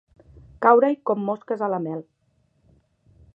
Caure-hi com les mosques a la mel.